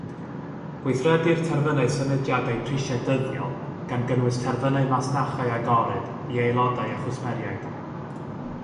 Gweithredir terfynau symudiadau prisiau dyddiol, gan gynnwys terfynau masnachau agored i aelodau a chwsmeriaid